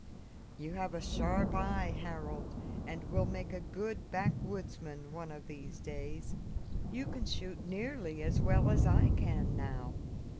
"You have a sharp eye, Harold, and will make a good backwoodsman one of these days. You can shoot nearly as well as I can now.